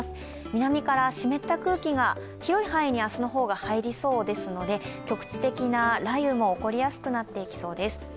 南から湿った空気が広い範囲で入りそうでずきで局地的な雷雨も起こりやすくなっていきそうです。